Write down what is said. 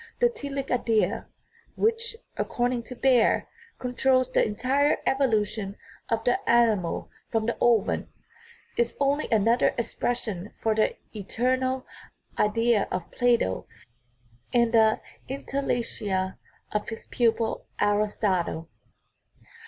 The "telic idea" which, accord ing to Baer, controls the entire evolution of the ani mal from the ovum, is only another expression for the eternal " idea " of Plato and the entelecheia of his pupil Aristotle.